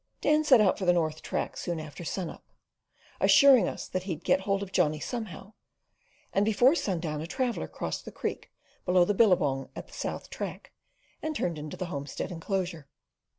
Dan set out for the north track soon after sun up, assuring us that he'd get hold of Johnny somehow; and before sun down a traveller crossed the Creek below the billabong at the south track, and turned into the homestead enclosure.